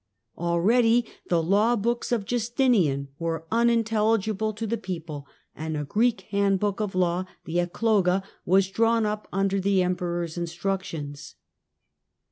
Already the law books of Justinian were unin telligible to the people, and a Greek handbook of law, the Ecloga, was drawn up under the Emperor's instructions.